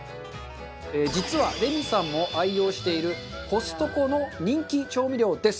実はレミさんも愛用しているコストコの人気調味料です。